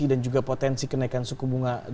dan juga potensi kenaikan suku bunga